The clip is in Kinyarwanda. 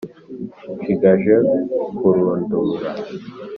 nshigaje kurundura